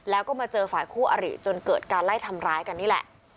แล้วก็มาเจอฝ่ายคู่อริจนเกิดการไล่ทำร้ายกันนี่แหละ